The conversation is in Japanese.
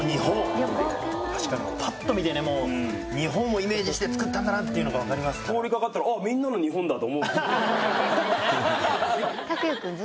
確かにぱっと見てねもう日本をイメージして作ったんだなっていうのが分かりますから通りかかったらですよね